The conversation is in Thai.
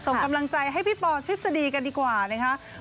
ส่งกำลังใจให้พี่ปอทฤษฎีกันดีกว่านะคะ